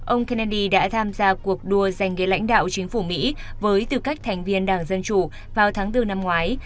ông kennedy đã tham gia cuộc đua dành ghế lãnh đạo chính phủ mỹ với tư cách thành viên đảng dân chủ vào tháng bốn năm ngoái